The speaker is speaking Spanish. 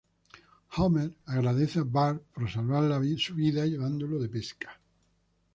Homer agradece a Bart por salvar su vida llevándolo de pesca.